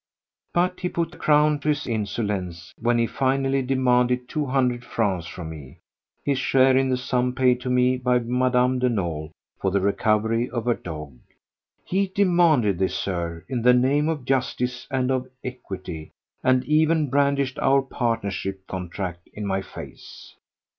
But he put the crown to his insolence when he finally demanded two hundred francs from me: his share in the sum paid to me by Mme. de Nolé for the recovery of her dog. He demanded this, Sir, in the name of justice and of equity, and even brandished our partnership contract in my face.